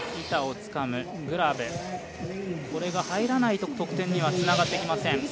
板をつかむグラブ、これが入らないと得点にはつながってきません。